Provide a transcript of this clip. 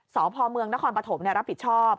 ศพเมืองนครประถมเนี่ยรับผิดชอบ